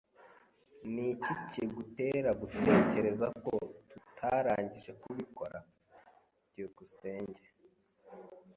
Niki kigutera gutekereza ko tutarangije kubikora? byukusenge